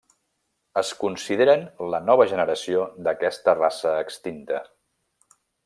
Es consideren la nova generació d'aquesta raça extinta.